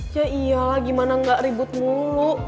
ya iyalah gimana gak ribut mulu